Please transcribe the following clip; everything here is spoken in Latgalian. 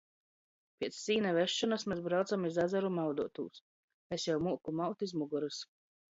Piec sīna vesšonys mes braucam iz azaru mauduotūs. Es jau muoku maut iz mugorys.